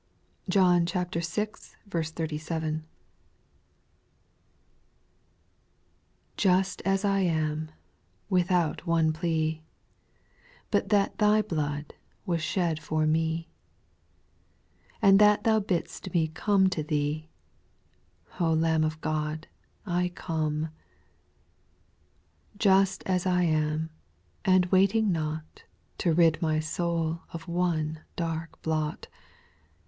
John vi. 37. 1. TUST as I am, without one plea, el But that Thy blood was shed for me, And that Thou bid'st me come to Thee, — Lamb of God, I come 1 2. Just as I am, — and waiting not To rid my soul of one dark blot.